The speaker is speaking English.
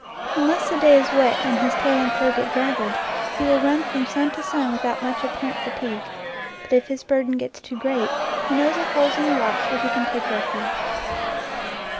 Unless the day is wet and his tail and fur get draggled, he will run from sun to sun without much apparent fatigue. But if his burden gets too great, he knows of holes in the rocks where he can take refuge.